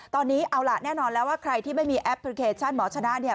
ตอนนี้เอาล่ะแน่นอนแล้วว่าใครที่ไม่มีแอปพลิเคชันหมอชนะเนี่ย